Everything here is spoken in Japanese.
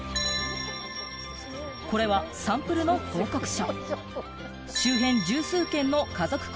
これはサンプルの報告書。